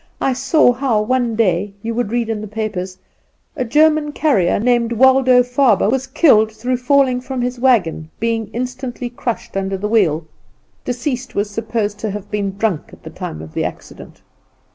I saw how, one day, you would read in the papers: 'A German carrier, named Waldo Farber, was killed through falling from his wagon, being instantly crushed under the wheel. Deceased was supposed to have been drunk at the time of the accident.